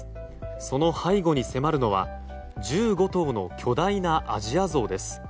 その背後に迫るのは１５頭の巨大なアジアゾウです。